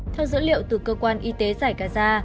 theo dữ liệu từ cơ quan y tế giải gaza